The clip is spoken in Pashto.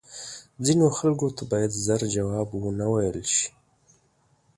ځینو خلکو ته باید زر جواب وه نه ویل شې